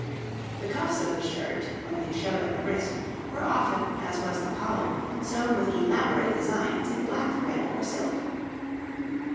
The cuffs of the shirt, when they showed at the wrist, were often, as was the collar, sewn with elaborate designs in black thread or silk.